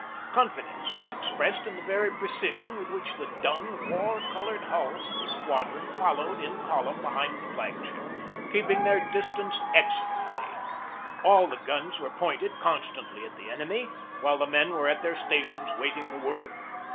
Confidence was ex pressed in the very precision with which the dun, war colored hulls of the squadron followed in column behind the flag ship, keeping their distance excel lently. All the guns were pointed constantly at the enemy, while the men were at their stations waiting the word.